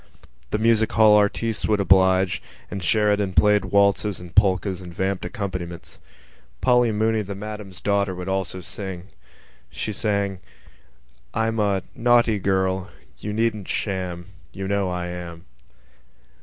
The music hall artistes would oblige; and Sheridan played waltzes and polkas and vamped accompaniments. Polly Mooney, the Madam's daughter, would also sing. She sang: _I'm a ... naughty girl. You needn't sham: You know I am.